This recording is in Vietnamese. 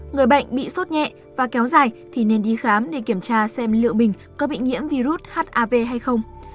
người bệnh bị sốt nhẹ và kéo dài thì nên đi khám để kiểm tra xem liệu bình có bị nhiễm virus hav hay không